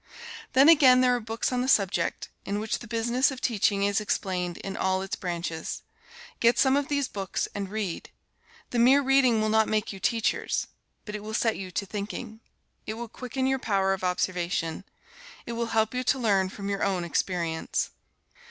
Then again, there are books on the subject, in which the business of teaching is explained in all its branches. Get some of these books and read. The mere reading will not make you teachers. But it will set you to thinking. It will quicken your power of observation. It will help you to learn from your own experience.